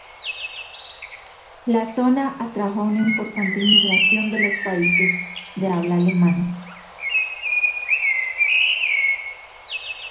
La zona atrajo a una importante inmigración de los países de habla alemana.